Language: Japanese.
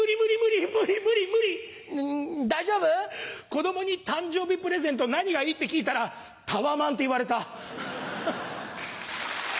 子供に誕生日プレゼント何がいい？って聞いたらタワマンって言われた。